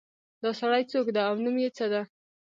دا سړی څوک ده او نوم یې څه ده